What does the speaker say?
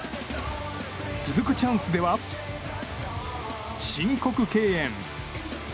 続くチャンスでは申告敬遠。